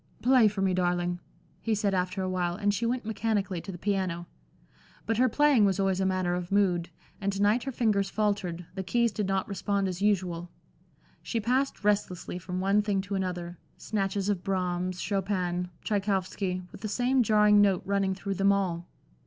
"Play for me, darling," he said, after awhile, and she went mechanically to the piano. But her playing was always a matter of mood, and to night her fingers faltered, the keys did not respond as usual. She passed restlessly from one thing to another snatches of Brahms, Chopin, Tschaikowski, with the same jarring note running through them all.